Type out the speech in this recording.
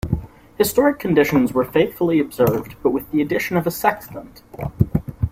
Historic conditions were faithfully observed but with the addition of a Sextant.